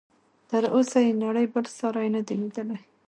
تر اوسه یې نړۍ بل ساری نه دی لیدلی.